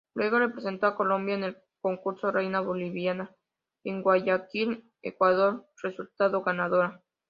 Luego, representó a Colombia en el concurso Reina Bolivariana, en Guayaquil, Ecuador, resultando ganadora.